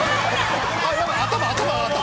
頭頭。